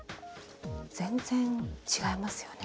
全然違いますよね。